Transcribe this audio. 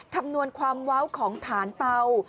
คำนวณความเว้าของฐานเตา